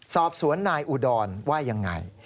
สอบสวนนายอุดรว่ายังไง